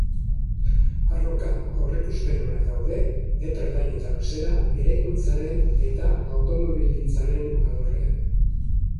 Arloka, aurreikuspen onak daude epe ertain eta luzera eraikuntzaren eta automobilgintzaren alorrean.